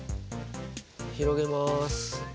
広げます。